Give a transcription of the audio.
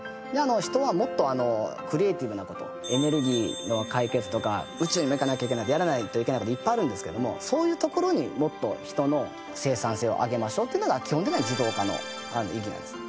人はもっとクリエーティブな事エネルギーの解決とか宇宙にも行かなきゃいけないやらないといけない事いっぱいあるんですけどもそういうところにもっと人の生産性を上げましょうというのが基本的には自動化の意義なんですね。